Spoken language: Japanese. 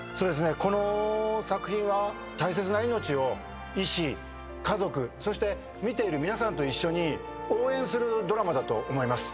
この作品は大切な命を医師家族そして見ている皆さんと一緒に応援するドラマだと思います。